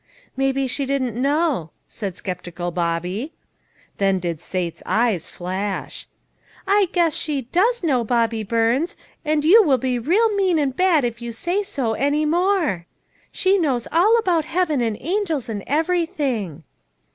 "Maybe she don't know," said skeptical Bobby. Then did Sate's eyes flash. " I guess she does know, Bobby Burns, and you will be real mean and bad if you. say so any more. She knows all about heaven, and angels, and everything."